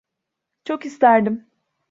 Çok isterdim.